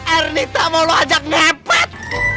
ernita mau lo ajak ngepet